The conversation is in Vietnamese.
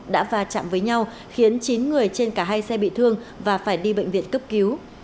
đã va chạm với nhau khiến chín người trên cả hai xe bị thương và phải đi bệnh viện cấp cứu